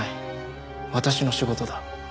私の仕事だ。